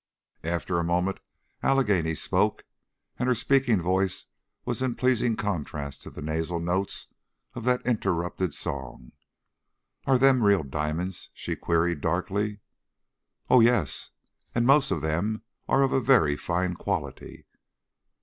After a moment Allegheny spoke, and her speaking voice was in pleasing contrast to the nasal notes of that interrupted song. "Are them real di'mon's?" she queried, darkly. "Oh yes! And most of them are of very fine quality."